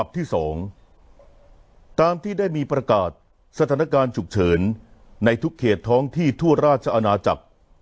ที่๒ตามที่ได้มีประกาศสถานการณ์ฉุกเฉินในทุกเขตท้องที่ทั่วราชอาณาจักร